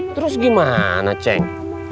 terus gimana ceng